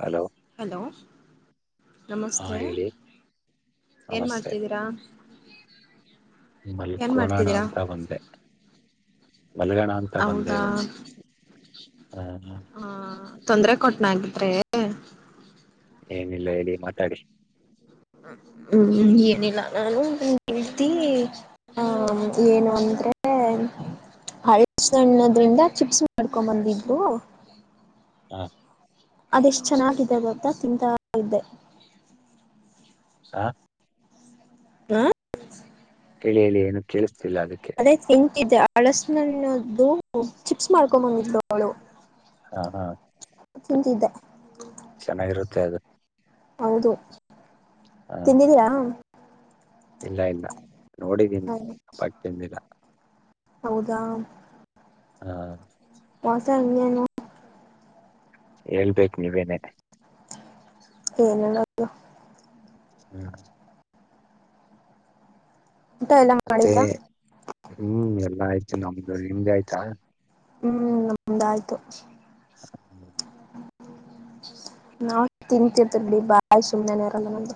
Hello hello ಹಾ ನಮಸ್ತೆ ಹೇಳಿ ಏನ್ ನಮಸ್ತೆ ಮಾಡ್ತಿದ್ದೀರಾ ಏನ್ ಮಲ್ಕೋಳೋಣ ಮಾಡ್ತಿದ್ದೀರಾ ಮಲ್ಗಣ ಅಂತ ಬಂದೆ ಹೌದಾ ಇವಾಗ್ ಹಾ ಹಾ ಹ ತೊಂದ್ರೆ ಕೊಟ್ನ ಆಗಿದ್ರೆ ಏನಿಲ್ಲ ಹೇಳಿ ಮಾತಾಡಿ ಹ್ಮ್ ಏನಿಲ್ಲ ನಾನು ನನ್ ಗೆಳತಿ ಆ ಏನು ಅಂದ್ರೆ ಹಳ್ಸಣ್ಣದ್ರಿಂದ ಚಿಪ್ಸ್ ಮಾಡ್ಕೊ ಬಂದಿದ್ರು ಹ ಅದೆಷ್ಟು ಚೆನ್ನಾಗಿದೆ ಗೊತ್ ತಿಂತಾ ಇದ್ದೆ ಹಾ ಹ ಹೇಳಿ ಹೇಳಿ ಏನು ಕೇಳು ಅದೇ ತಿಂತಿದ್ದ ಹಳ್ಸಣ್ಣನನ್ನದ್ದು ಚಿಪ್ಸ್ ಮಾಡ್ಕೊಂಡ ಬಂದಿದ್ಲವ್ಳು ಹಾ ಹಾ ತಿಂತಿದ್ದೆ ಚೆನ್ನಾಗಿರುತ್ತೆ ಅದು ಹೌದು ಹ ತಿಂದಿದ್ದೀರಾ ಇಲ್ಲ ಇಲ್ಲ ನೋಡಿದೀನಿ ಬಟ್ ತಿಂದಿಲ್ಲ ಹೌದಾ ಹಾ ಮತ್ತೆ ಇನ್ನೇನು ಹೇಳ್ಬೇಕು ನೀವೇನೇ ಏನಲ್ಲ ಹ್ಮ್ ಊಟ ಎಲ್ಲ ಮತ್ತೆ ಮಾಡಿದ್ರಾ ಹ್ಮ್ ಎಲ್ಲಾ ಆಯ್ತು ನಮ್ದು ನಿಮ್ದ ಆಯ್ತಾ ಹ್ಮ್ ನಮಂದಾಯ್ತು ಹ್ಮ್ ನಾವ ತಿಂತಿರ್ತೀವಿ ಬಿಡಿ ಬಾಯ್ ಸುಮ್ಮನೆನೆ ಇರಲ್ಲ ನಮ್ದು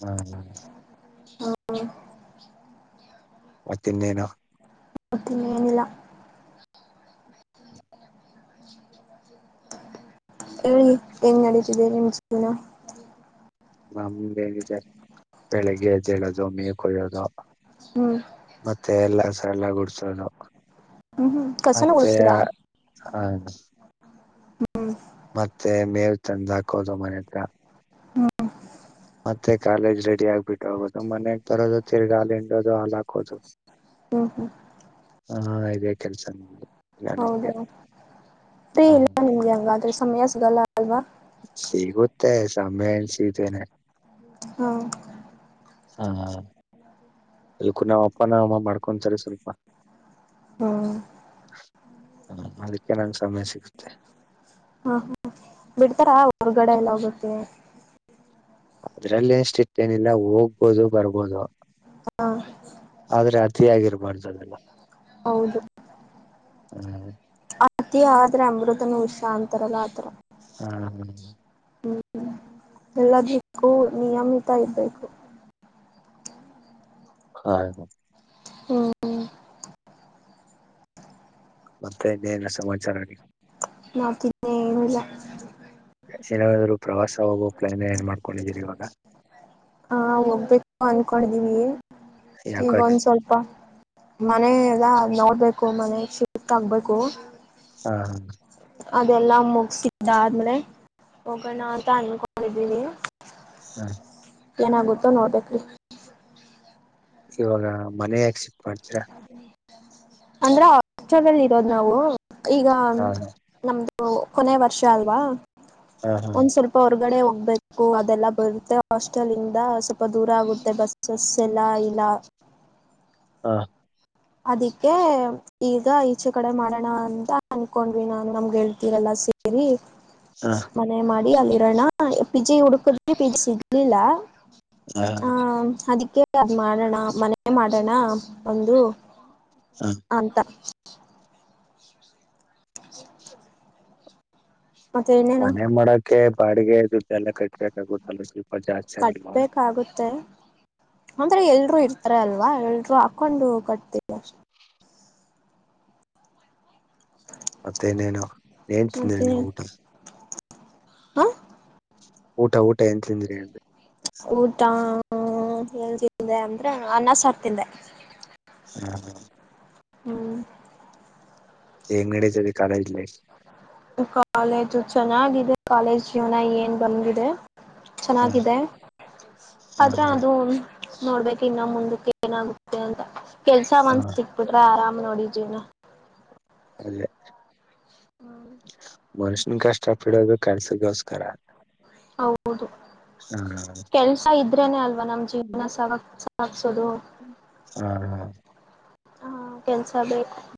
ಹ್ಮ್ ಹ್ಮ ಹ್ಮ ಮತ್ ಇನ್ನೇನು ಮುತ್ತಿನೇನಿಲ್ಲ ಹೇಳಿ ಹೆಂಗ ನಡೀತಿದೆ ನಿಮ್ಮ್ ಜೀವನ ನಮ್ದೇನಿದೆ ಬೆಳಿಗ್ಗೆ ಎದ್ದ್ ಹೇಳೋದು ಮೇವ್ ಕೊಯ್ಯೋದು ಹ್ಮ್ ಮತ್ತೆ ಎಲ್ಲ ಎಲ್ಲ ಗುಡ್ಸೋದು ಹ್ಮ್ ಹ್ಮ್ ಕಸನ ಮತ್ತೆ ಗುಡಿಸ್ತೀರಾ ಹ ಮತ್ತೆ ಮೇಲ್ ತಂದ ಹಾಕೋದು ಮನೆ ಹತ್ರ ಮತ್ತೆ ಕಾಲೇಜ್ ರೆಡಿ ಆಗ್ಬಿಟ್ಟು ಹೋಗೋದು ಮನೆಗ್ ಬರೋದು ತಿರ್ಗಾ ಹಾಲಿಂಡೋದು ಹಾಲ್ ಹಾಕೋದು ಹ್ಮ್ ಆಯ ಇದೇ ಕೆಲಸ ನಮ್ಮದು ಹೌದಾ ೀ ಇಲ್ಲ ನಿಮ್ಗೆ ಹಂಗಾದ್ರಷ್ಟ ಸಮಾಸ ಗಲ್ಲ ಸಿಗುತ್ತೆ ಸಮಯ ಎನ್ಸತೇನೆ? ಹ್ಮ ಹಾ ಅಕ್ಕೂ ನಾವ್ ಅಪ್ಪ ನಾವಮ್ಮ ಮಾಡ್ಕ ಕೊಂಚಲ ಸ ರೀಪ ಹ್ಮ್ ಹಾ ಅದಕ್ಕೆ ನನ್ಗೆ ಸಮಯ ಸಿಗುತ್ತೆ ಹಾ ಹ್ಮ ಬಿಡ್ತಾರಾ ಹೊರ್ಗಡೆ ಎಲ್ಲ ಹೋಗುತ್ತೆ ಅದ್ರಲ್ಲಿ ಎಷ್ಟ ಇಟ್ಟೇನಿಲ್ಲ ಹೋಗ್ಬೋದು ಬರ್ಬೋದು ಹಾ ಾಗಿರ ಬರ್ತದೆಲ್ಲ ಹ್ಮ್ ಅತಿ ಆದ್ರೆ ಅಮೃತನ ಹುಷಾ ಅಂತಾರಲ್ಲ ಆತರ ಹ್ಮ ಹಾ ಹ್ಮ್ ಎಲ್ಲದಿಕ್ಕೂ ನಿಯಮಿತ ಇರ್ಬೇಕು ಹಾ ಹ್ಮ್ ಮತ್ತೆ ಇನ್ನೇನು ಸಮಾಚಾರ ಆಗ? ನಾ ತಿನ್ನೇನಲ್ಲ ಏನ್ರು ಹಾ ಹೋಗ್ಬೇಕು ಅನ್ಕೊಂಡಿದೀವಿ ಈಗ ಯಾಕೋ ಒಂದ್ ಸ್ವಲ್ಪ ಮನೆ ಅದ ನೋಡ್ಬೇಕು ಮನೆ ಶಿಟ್ ಆಗ್ಬೇಕು. ಹ್ಮ ಹ್ಮ ಅದೆಲ್ಲಾ ಮುಗತಿದ್ದ ಆದ್ಮೇಲೆ ಹೋಗೋಣ ಅಂತ ಅನ್ಕೊಂಡಿದ್ದೀಿ ಹ್ಮ ಏನಾಗುತ್ತೋ ನೋಡ್ಬೇಕ್ರಿ. ಇವಾಗ ಮನೆಯಾಗಿ ಶಿಫ್ಟ್ ಮಾಡ್ತೀರಾ? ಅಂದ್ರೆ ಹಾಸ್ಟೆಲ್ ಇರೋದು್ ನಾವು ಈಗ ಹಾ ನಮ್ದ ಕೊನೆೆಯ ವರ್ಷ ಅಲ್ವಾ. ಹಾ ಹಾ ಒಂದ್ ಸ್ವಲ್ಪ ಹೊರ್ಗಡೆ ಬು ಅದೆಲ್ಲ ಬರುತ್ತೆ ಹಾಸ್ಟೆಲ್ಂದ ಸ್ವಲ್ಪ ದೂರ ಆಗುತ್ತೆ ಬಸ್ಸಸ್ ಎಲ್ಲಾ ಇಲ್ಲ. ಹಾ ಅದಿಕ್ಕೆ ಈಗ ಈಚೆ ಕಡೆ ಮಾಡೋಣ ಅಂತ ಅನ್ಕೊಂಡ್ವಿ ನಾನ್ ನಮ್ಗೆ ಹೇಳ್ತೀರಲ್ಲ ಸೇರಿ. ಹಾ ಮನೆ ಮಾಡಿ ಅಲ್ಲಿಿರಣ ಪಿಜಯ್ ಉಡುಕದ ಪಿಜಿ ಇಲ್ಲ ಹ್ಮ ಅದಕೆ ಅದು ಮಾಡೋಣ ಮನೆ ಮಾಡೋಣ ಒಂದು. ಹಾ ಅಂತ ಹಾ ಮತ್ತೆ ಇನ್ನೇನು ಮನೆ ಮಾಡಕ್ಕೆ ಬಾಡಿಗೆದು್ದ ಎಲ್ಲ ಕಟ್ಟಬೇಕಾಗುತ್ತಲ್ಲ. ಕಟ್ಬೇಕಾಗುತ್ತೆ ಅಂದ್ರೆ ಎಲ್ರುೂ ಇರ್ತ ಹತ್ರ ಅಲ್ವಾ ಎಲ್ರು ಹಾಕೊಂಡು ಕಟ್ತವಿ ಅಷ್ಟ ಮತ್ತೆೇನೇನು? ಏನ್ ತಿಂದಿಿ ಮತ್ತೆ ನೀವು ಊಟ? ಹ ಊಟ ಊಟ ಎಂತ ತಿಂದ್ರಿ ಅ ಊಟಾ ಹ್ಮ ಎತೆ ಅಂದ್ರೆ ಅನ್ನ ಸರ್ತಿದ್ದೆ ಹ ಹ್ಮ್ ಎಂಗಡಿದೆ ಕಾಲೇಜ್ ಲೈಫ್ ಕಾಲೇಜು ಚೆನ್ನಾಗಿದೆ ಕಾಲೇಜ್ ಜೀವನ ಏನ್ ಬಂದಿದೆ ಹ ಚೆನ್ನಾಗಿದೆ ಹ ಆದ್ರೆ ಅದು ನೋಡ್ಬೇಕಕ್ ಇನ್ನ ಮುಂದಕ್ಕೆ ಏನಾಗುತ್ತೆ ಅಂತ ಕೆಲ್ಸ ಹ ಒಂದ್ ಹ ಸಿಕ್ ಬಿಟ್ರೆ ಆರಾಮ ಮನಡಿ ಜೀವನ ಅದೇ ಹಾ [inaudible] ಮನುಷ್ಯನ ಕಷ್ಟ ಪಡೋದು ಕೆಲ್ಸಗೋಸ್ಕರ ಹೌದು ಹ ಕೆಲ್ಸ ಇದ್ರೇನೆ ಅಲ್ವಾ ನಮ್ ಜೀವನ ಸವ ಸಾಗಸೋದು ಹ ಹ ಕೆನ್ಸ ಬೇಕು [inaudible]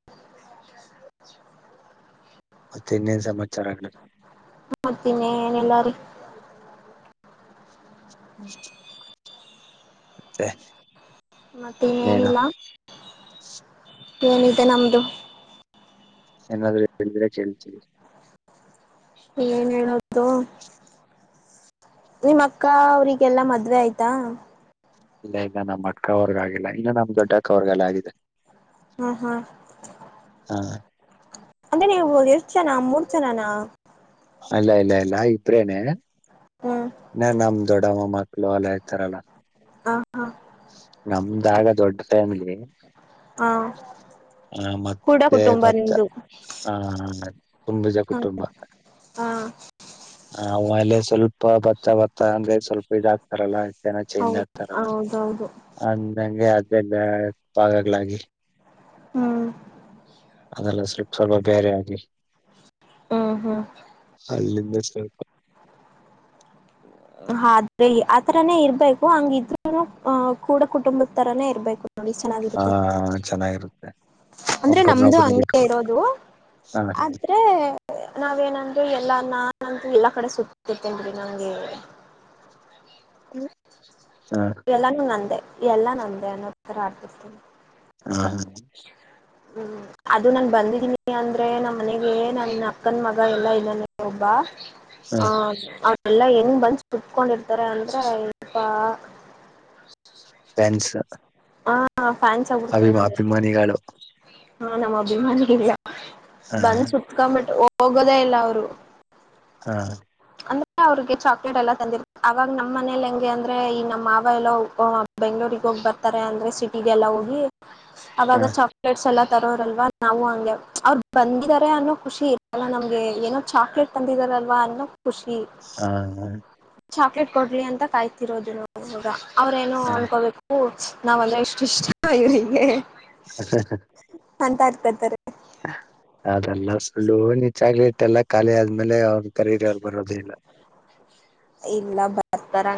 ಮತ್ತೆ ಇನ್ನೇನ್ ಸಮ ಮಾಡ್ತೀನಿ ಏನಲ್ಲಾರಿ ತ್ತ [inaudible] ಮತ್ತೆ ಇನ್ನೇನ್ ಇಲ್ಲ ಏನಿದೆ ನಮದು ಏನಾದ್ರೂ ಇದ್ರೆ ಕೇಳ್ತೀರಿ ಏನ್ ಹೇಳದು ನಿಮ್ಮ ಅಕ್ಕ ಅವ್ರರಿಗೆಲ್ಲಾ ಮದ್ವೆ ಆಯ್ತಾ ಇಲ್ಲ ಇಲ್ಲ ನಮ್ಮ್ ಅಕ್ಕ ಅವರ್ಗ ಆಗಿಲ್ಲ ಇನ್ನು ನಮ್ ದೊಡ್ಡ ಅಕ್ಕವರ್ಗೆಲ್ಲ ಆಗಿದೆ ಹ್ಮ್ ಹ್ಮ್ ಹಾ ಅಂದ್ರೆ ನೀವು ಎರಡು ಜನ ಮೂರ್ ಜನಾನ ಅಲ್ಲ ಇಲ್ಲ ಇಲ್ಲ ಇಬ್ರೇನ್ ಹ್ಮ್ ನ ನಮ ದೊಡ ಮಾಡ ಪಲ ಅಲಯತರಲ್ಲ ಹ ಹಾ ನಮ್ದಾಗ ದೊಡ್ಡ ಫ್ಯಾಮಿಲಿ ಹ ಹ ಕೂಡ ಮತ್ತೆ ಕುಟುಂಬ ಭತ್ತ ನಿಮ್ದು ಹ ತುಂಬುಜ ಹ ಕುಟುಂಬ ಹ ನಾವು ಅಲೆ ಸ್ವಲ್ಪ ಭತ್ತ ಭತ್ತ ಅಂದ್ರೆ ಸ್ವಲ್ಪ ಇದಾಗ. ತಾರಲ್ಲಾಏನ ಚೇಂಜ್ ಹೌದು ಆಗ್ತಾರಲ್ಲ. ಹೌದೌದು ಅಂದಂಗೆ ಅ ಎ ಪಾಗಕ್ಲಿ [unintelligible] ಹ್ಮ್ ಅದೆಲ್ಲ ಸ್ವಲ್ ಸ್ವಲ್ಪ ಬೇರೆ ಆಗಿ ಹ್ಮ ಹ್ಮ್ [inaudible] ಆದ್ರೆ ಆತರನೇ ಇರ್ಬೇಕು ಹಂಗಿದ್ರು ಅ ಕೂಡ ಕುಟುಂಬಸ್ ತರನೇ ಇರ್ಬೇಕು ನೋಡಿ ಆ ಚೆನ್ನಾಗಿರುತ್ತೆ ಚೆನ್ನಾಗಿರುತ್ತೆ ಅಂದ್ರೆ ನಮ್ದು ಒಬ್ಬರನ್ನೊಬ್ಬರು ಹಂಗಗೆ ಬಿಟ್ಕೊ ಇರೋದು ಹ ಆದ್ರೆ ನಾವೇನಂದರು ಎಲ್ಲ ನಂತು ಎಲ್ಲಾ ಕಡೆ ಸುತ್ತಿರ್ತೇ [inaudible] ನಂಗ [inaudible] ಹ ಇವೆಲ್ಲಾನು ನಂದೆ ಎಲ್ಲಾ ನಮ್ದೇ ಅನೋಥರ ಆಡ್ತಿರ್ತೀನಿ ಹಾ ಹಾ ಹ್ಮ್ ಅದು ನನ್ ಬಂದಿದ್ದೀನಿ ಅಂದ್ರೆ ನಮ್ಮ್ ಮನೆಗೆ ನನ್ ಅಕ್ಕನ್ ಮಗ ಎಲ್ಲಾ ಇದ್ದಾನೆ ಒಬ್ಬ ಹ ಹ ಎಲ್ಲಾ ಹೆಂಗ್ ಬಂದ ಕುತ್ಕೊಂಡಿರ್ತಾರ ಅಂದ್ರ ಇನಪಾ ಪೆನ್ಸಿಲ್ ಆ ಹಾ ಫ್ಯಾನ್ಸ್ ಆಗಿಡ್ತಾರೆ ನಂಗೆ ಅಭಿಮಾನಿಗಳು ಹಾ ನಮ್ಮ್ ಅಭಿಮಾನಿ ಇಲ್ಲ ಹ ಬಂದ್ ಸಟ್ಕ ಮಟ್, ಹೋಗೋದೇ ಇಲ್ಲ ಅವರು ಹಾ ಅಂದ್ರೆ ಅವ್ರಿಗೆ ಚಾಕ್ಲೇಟ್ ಎಲ್ಲ ತಂದಿರ್ ಅವಾಗ ನಮ್ಮ್ ಮನೇಲಿ ಹೆಂಗೆ ಅಂದ್ರೆ ಈ ನಮ್ಮ್ ಮಾವ ಎಲ್ಲೋ ಬೆಂಗ್ಗಳೂರಿಗೆ ಹೋಗ್ ಬರ್ತ ಇಾರೆ ಅಂದ್ರೆ ಸಿಟಿಗೆಲ್ಲ ಹೋಗಿ ಹ ಆಾಗ ಚಾಕಲೇಟ್ ಸಲಾಾದ್ ತರೋರಲ್ವಾ ನಾವು ಹಂಗೆ ಅವರು ಬಂದಿದ್ದಾರೆ ಅನ್ನೋ ಖುಷಿ ಇ ನಮ್ಗೆ ಏನೋ ಚಾಕ್ಲೇಟ್ ತಂದಿದಾರಲ್ವಾ ಅನ್ನೋ ಖುಷಿ ಹಾ ಚಾಕ್ಲೇಟ್ ಕೊಡ್ಲಿ ಅಂತ ಕಾಯ್ತಿರೋದು ನೋಗ ಅವ್ರೇನು ಹ ಅನ್ಕೋಬೇಕು ನಾವೆಲ್ಲ ಎಷ್ಟು ಇಷ್ಟ ಇೀಗೆ ಅಾ ಅ [inaudible] ಅಂತ ಇರ್ತತಾರೆ [inaudible] ಹ ಅದೆಲ್ಲ ಸುಳ್ಳು ನಿಜಾಗ್ಲಿ. ಎಲ್ಲ ಖಾಲಿ ಆದ್ಮೇಲೆ ಅವ್ನ್ ಕರೀರಿ ಅವರ್ ಬರೋದೇ ಇಲ್ಲ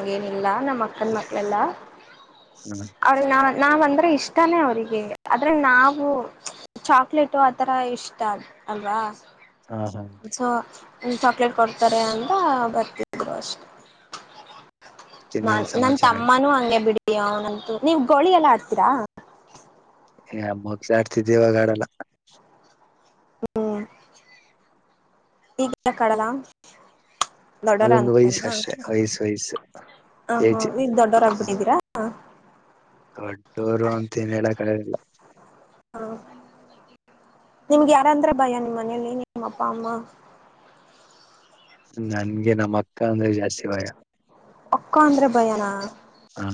ಹೇಲೇ ಇಲ್ಲ ನಮ್ಮ್ ಅಕ್ಕನ್ ಮಕ್ಕಳೆಲ್ಲ ಹ್ಮ ಅವ್ರ್ನಾವ್. ನಾವಂದ್ರೆ ಇಷ್ಟಾನೇ ಅವರಿಗೆ ಆದ್ರೆ ನಾವು ಚಾಕ್ಲೇಟು ಆತರ ಇಷ್ಟ ಅಲ್ವಾ ಹಾ ಹಾ ದ್ ಸೊ ಒಂದ್ ಚಾಕ್ಲೇಟ್ ಕೊಡ್ತಾರೆ ಅಂತ ಬರ್ತಿದ್ರು ಅಷ್ಟೇ ನಾನ್ ಇನ್ನೇನ್ ನನ್ ಸಮಾಚಾರ ತಮ್ಮನೂ ಹಂಗೆ ಬಿಡು ಯಾವ ನೀವ್ ಗೋಳಿ ಎಲ್ಲಾ ಆಡ್ತೀರಾ [unintelligible] ಆಡ್ತಿದ್ದೇವಿ ಇವಾಗ್ ಆಡಲ್ಲ ಹ್ಮ ಈಗಲ್ಲ ಕಡಲ ದೊಡ್ಡವರ ಅದೊಂದು ಅಂತಾರ ವಯಸ್ಸು ಅಷ್ಟೇ ವಯಸ್ಸು ವಯಸ್ಸು ಆ ಹ ಏಜ್ ನೀವು ದೊಡ್ಡವರಾಗಬಿಟ್ಟಿದ್ದೀರಾ ದೊಡ್ಡೂರು ಅಂತ ಏನ್ ಹೇಳಕಿಲ್ಲ ಹಾ ನಿಮ್ಗೆ ಯಾರಂದ್ರೆ ಭಯ ನಿಮ್ಮ ಮನೆಯಲ್ಲಿ ನಿಮ್ಮ ಅಪ್ಪ ಅಮ್ಮ ನನ್ಗೆ ನಮ್ಮ್ ಅಕ್ಕ ಅಂದ್ರೆ ಜಾಸ್ತಿ ಭಯ ಒಪ್ಕ್ಕೋ ಅಂದ್ರೇ ಭಯನಾ ಹಾ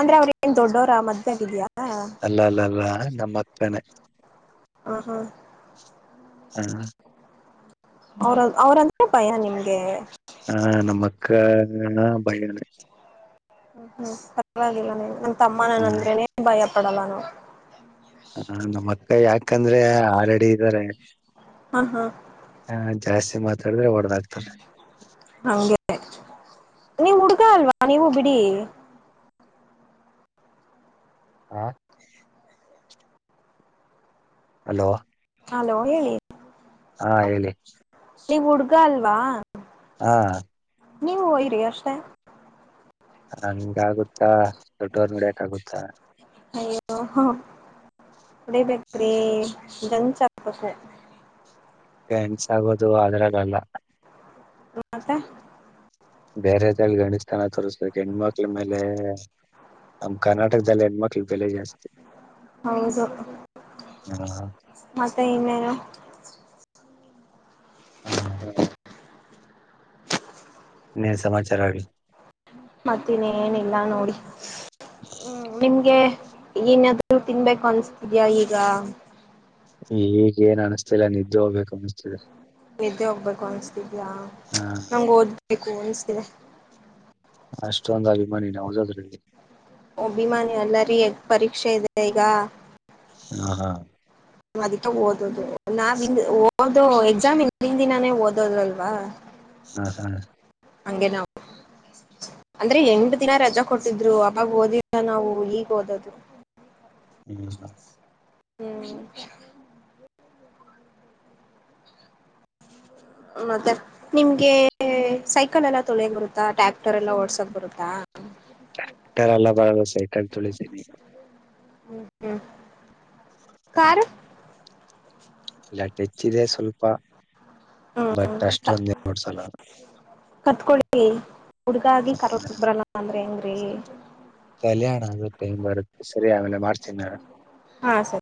ಅಂದ್ರೆ ಅವ್ರ ನ್ ದೊಡ್ಡೋರ ಮದವೇಆಗಿದ್ಯಾಯಾ ಅಲ್ಲ ಅಲ್ಲ ಅಲ್ಲ ನಮ್ಮ [unintelligible] ಹ ಹಾ ಹ್ಮ ಅವ್ರ ಅವ್ರಂದೆ ಭಯ ನಿಮ್ದ. [inaudible] ಹ ನಮ್ಮ ಅಕ್ಕ ಬಯನೆ ಹ್ಮ ಹ್ಮ್ ಪರ್ವಾಗಿಲ್ಲ ನೀವು ನಮ್ಮ ತಮ್ಮ ಹ ನನಂದ್ರೆನೆ ಭಯ ಕೊಡಲ್ಲ ನಾವು. ಹ್ಮ ನಮ್ಮ ಅಕ್ಕ ಯಾಕಂದ್ರೆ ಆರಡಿ ಇದ್ದಾರೆ. ಹಾ ಹಾ ಹಾ ಜಾಸ್ತಿ ಮಾತಾಡಿದ್ರೆ ಹೊಡೆದಾಕ್ತಾರೆ ನೀಮ್ ಹುಡುಗ ಅಲ್ವಾ ನಾನೇನು ಬಿಡಿ, ಹಾ ಹಲೋ ಹಲೋ ಹೇ ಹಾ ಹೇಳಿ ನೀವ್ ಹುಡ್ಗ ಅಲ್ವಾ? ಹಾ ನೀವು ಹಯರಿ ಅಷ್ಟೇ. ಹಂಗಾಗುತ್ತಾ ದೊಡ್ಡವರ್ ನಡಕ್ಾಗುತ್ತಾ, ಹಾ ಹೊಡಿಬೇಕ್ರಿ ಜನ್ ಚಾಸ ಕೆನ್ಸ ಆಗೋದು ಅದ್ರಲ್ಲಲ್ಲ. ಮತ್ತ ಬೇರೆದಳ ಗಣಿಸ ತನ ತೋರಿಸ್ಬೇಕು ಹೆಣ್ಮಕ್ಳ ಮೇಲೆ ನಮ ಕರ್ನಾಟಕದಲ್ಲಿ ಹೆಣ್ಮಕ್ಳ ಬೆಲೆ ಜಾಸ್ತಿ ಹೌದು ಹ ಮತ್ತೆ ಇನ್ನೇನು [unintelligible] ಹ್ಮ ಸಮಾಚಾರ ಆ ಮತ್ತನ್ೇನಿಲ್ಲ ನೋಡಿ. ಹ್ಮ ನಿಮ್ಗೆ ಏನಾದ್ರು ತಿನ್ಬೇಕು ಅನ್ಸ್ತಿದ್ಯಾ ಈಗ? ಈಗ ಏನ್ ಅನಿಸ್ತಿಲ್ಲ ನಿದ್ದೆ ಹೋಗ್ಬೇಕು ಅನಿಸ್ತಿದೆ. ನಿದ್ದೆ ಹೋಗ್ಬೇಕು ಅನ್ಸ್ತಿದ್ಯಾಾ ಹ ನಮ್ ಓದ್ಬೇಕು ಅನ್ಸ್ತಿದೆ. ಅಷ್ಟೊಂದ್ ಅಭಿಮಾನಿ ನೌದದ್ರಲ್ಲಿ ಅಭಿಮಾನಿ ಎಲ್ಲ ರೀ ಪರೀಕ್ಷೆ ಇದೆ ಈಗ ಹಾ ಹಾ ಅದಕ್ಕೆ ಓದದು ನಾವ ಓದು ಎಕ್ಸಾಮ್ ಇ ಹಿಂದ ದಿನಾನೇ ಓದದಲ್ವಾ? ಹಾ ಹಾ ಹಂಗೆ ನಾವು ಅಂದ್ರೆ ಎಂಟ ದಿನ ರಜಾ ಕೊಟ್ಟಿದ್ರು ಆಬ್ಾಗ ಓದಿಲ್ಲ ನಾವು ಈಗ್ ಓದದು ಇ ಸ ಹ್ಮ್ ಮತ್ತ ನಿಮ್ಗೆ ಸೈಕಲ್ ಎಲ್ಲ ತೊಳಿಯಕ್ ಬರುತ್ತಾ ಟ್ಯಾಕ್ಟರ್ ಎಲ್ಲಾ ಓಡ್ಸಕ್ ಬರುತ್ತಾ. ಕರಲ್ಲ ಬರಸ ಕ ತೊಳಸನ ಹ್ಮ ಕಾರ ಇಲ್ಲಟೆಚ್ಚಿದೆ ಸ್ವಲ್ಪ. ಹ್ಮ್ ಬಟ್ ಅಷ್ಟೊಂದು ನೀ ನೋಡ್ಸಲ್ಲ. ಕತ್ಕೊಳ್ಳಿ ಹುಡುಗಾಗಿ ಕರೋರ್ಸಬ್ರಲ್ಲ ಅಂದ್ರ ಏಂಗ್ರೀ? ಟ ಮಾಡಾರ ಮೇಲೆ ಮಾಡಾರಸ ನ? ಹಾ ಸರಿ